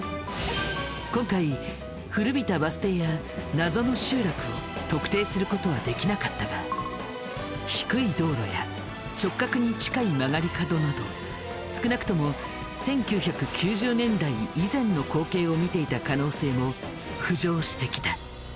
今回古びたバス停や謎の集落を特定することはできなかったが低い道路や直角に近い曲がり角など少なくとも１９９０年代以前の光景を見ていた可能性も浮上してきた。